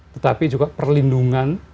tetapi juga perlindungan